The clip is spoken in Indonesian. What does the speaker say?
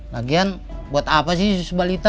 lagian buat apa sih balita